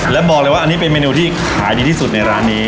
และบอกเลยว่าอันนี้เป็นเมนูที่ขายดีที่สุดในร้านนี้